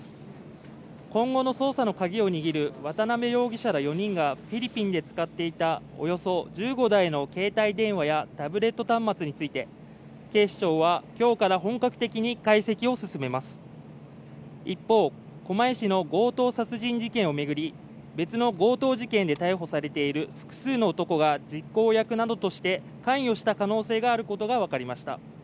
今後の捜査の鍵を握る渡辺容疑者ら４人がフィリピンで使っていたおよそ１５台の携帯電話やタブレット端末について警視庁は今日から本格的に解析を進めます一方狛江市の強盗殺人事件を巡り別の強盗事件で逮捕されている複数の男が実行役などとして関与した可能性があることが分かりました